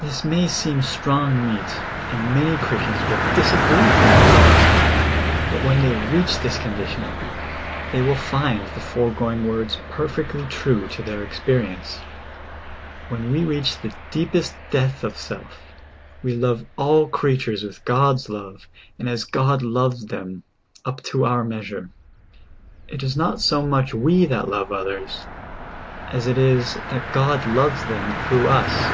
This ma}^ seem strong meat, and many Chris tians will disagree with these words, but when they reach this condition, they will find the foregoing words perfectly true to their experience.* When we reach the deepest death of self, we Icve all creatures w4th God's love, and as God loves them, up to our measure ; it is not so much we that love others, as it is that God loves them through us.